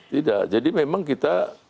tidak jadi memang kita